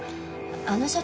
あの社長